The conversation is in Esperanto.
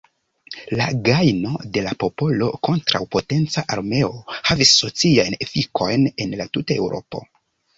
La gajno de la popolo kontraŭ potenca armeo havis sociajn efikojn en tuta Eŭropo.